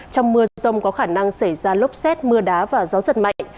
trong mưa rông có khả năng xảy ra lốc xét mưa đá và gió giật mạnh